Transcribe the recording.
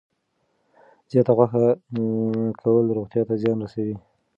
زیات غوښه کول روغتیا ته زیان رسوي.